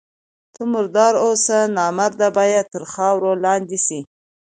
ته مرد اوسه! نامردان باید تر خاورو لاندي سي.